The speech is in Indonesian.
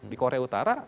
di korea utara